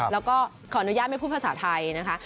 แล้วก็ขออนุญาตไม่พูดภาษาไทยนะคะ